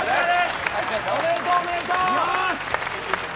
おめでとう、おめでとう。